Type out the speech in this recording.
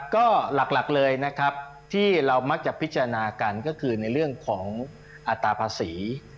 ก็หลักเลยนะครับที่เรามักจะพิจารณากันก็คือในเรื่องของอัตราภาษี